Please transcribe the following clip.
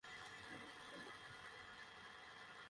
তুমি মনে করিতেছ, এ-সমস্ত তোমার নিজের–তাহা নহে।